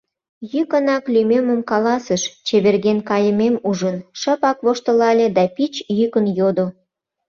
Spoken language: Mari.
Йӱкынак лӱмемым каласыш, чеверген кайымем ужын, шыпак воштылале да пич йӱкын йодо: